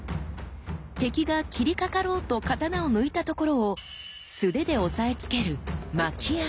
敵が斬りかかろうと刀を抜いたところを素手で押さえつけるああ！